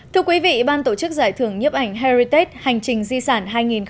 thưa quý vị ban tổ chức giải thưởng nhếp ảnh heritage hành trình di sản hai nghìn hai mươi bốn